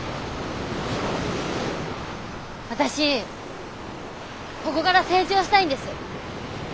私ここから成長したいんです。